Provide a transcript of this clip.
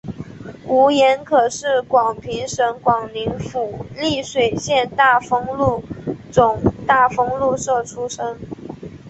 吴廷可是广平省广宁府丽水县大丰禄总大丰禄社出生。